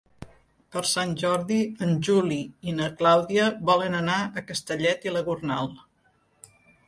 Per Sant Jordi en Juli i na Clàudia volen anar a Castellet i la Gornal.